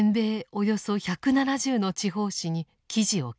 およそ１７０の地方紙に記事を掲載。